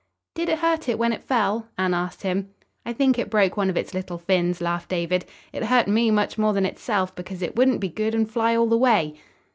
"Did it hurt it when it fell?" Anne asked him. "I think it broke one of its little fins," laughed David. "It hurt me much more than itself, because it wouldn't be good and fly all the way."